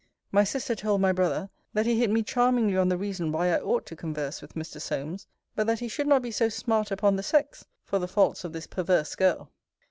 My sister told my brother, that he hit me charmingly on the reason why I ought to converse with Mr. Solmes: but that he should not be so smart upon the sex, for the faults of this perverse girl.